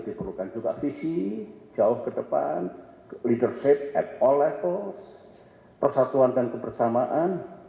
diperlukan juga visi jauh ke depan leadership at all levels persatuan dan kebersamaan